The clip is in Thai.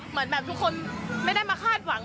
เหมือนแบบทุกคนไม่ได้มาคาดหวัง